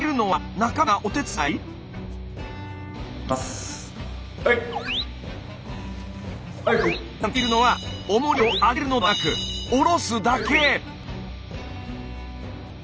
なんとやっているのはおもりを上げるのではなく下ろすだけ！